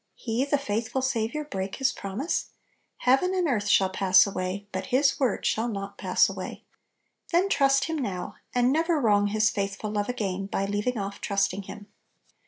He, the Faithful Saviour, break His promise ? Heaven and earth shall pass away, but His word shall not pass away! Then trust Him now, and never wrong His faithful love again by leaving off trusting Him.